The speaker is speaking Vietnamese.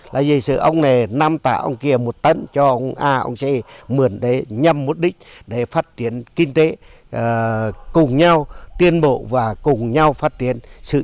là vì sự ông này năm tả ông kia một tấn cho ông a ông c mượn đấy nhằm mục đích để phát triển kinh tế cùng nhau tiên bộ và cùng nhau phát triển